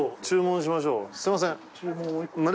注文しましょうすいません。